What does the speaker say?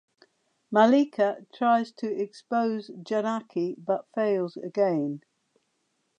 Mallika tries to expose Janaki but fails again.